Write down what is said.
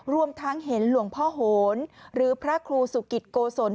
รวมทั้งเห็นหลวงพ่อโหนหรือพระครูสุกิตโกศล